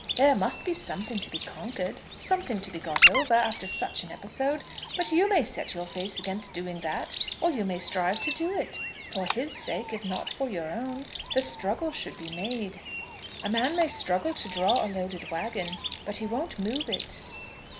There must be something to be conquered, something to be got over, after such an episode. But you may set your face against doing that, or you may strive to do it. For his sake, if not for your own, the struggle should be made." "A man may struggle to draw a loaded wagon, but he won't move it."